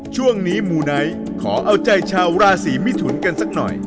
ช่วงนี้มูไนท์ขอเอาใจชาวราศีมิถุนกันสักหน่อย